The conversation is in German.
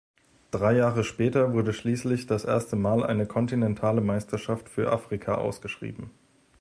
Drei Jahre später wurde schließlich das erste Mal eine kontinentale Meisterschaft für Afrika ausgeschrieben.